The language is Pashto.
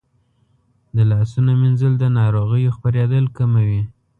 د لاسونو مینځل د ناروغیو خپرېدل کموي.